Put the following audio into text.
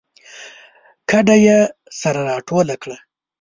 کډه یې سره راټوله کړه